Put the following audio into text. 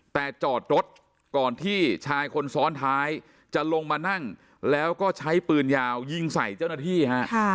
แต่จอดรถก่อนที่ชายคนซ้อนท้ายจะลงมานั่งแล้วก็ใช้ปืนยาวยิงใส่เจ้าหน้าที่ฮะ